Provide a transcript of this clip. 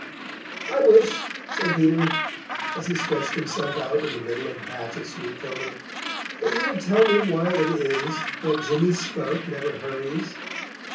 "I wish," said Peter, as he stretched himself out in the middle of the patch of sweet clover, "that you would tell me why it is that Jimmy Skunk never hurries."